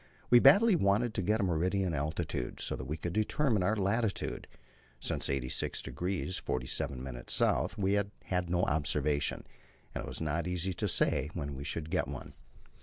We badly wanted to get a meridian altitude, so that we could determine our latitude. Since 86° 47' S. we had had no observation, and it was not easy to say when we should get one.